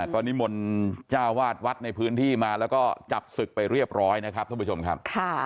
ก็นิมนต์จ้าวาดวัดในพื้นที่มาแล้วก็จับศึกไปเรียบร้อยนะครับท่านผู้ชมครับ